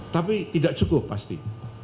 tapi tidak cukup pasti